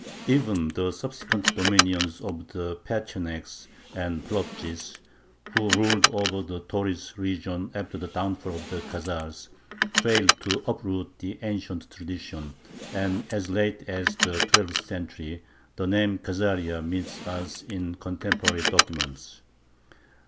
Even the subsequent dominion of the Pechenegs and Polovtzis, who ruled over the Tauris region after the downfall of the Khazars, failed to uproot the ancient traditions, and as late as the twelfth century the name Khazaria meets us in contemporary documents.